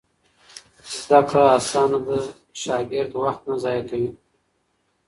زده کړه اسانه ده، شاګرد وخت نه ضایع کوي.